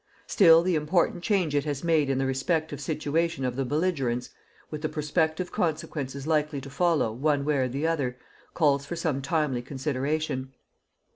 Still the important change it has made in the respective situation of the belligerents, with the prospective consequences likely to follow, one way or the other, calls for some timely consideration.